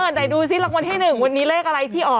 อือเดี๋ยวดูซิที่รางวัลที่๑วันนี้เลขอะไรพี่ออก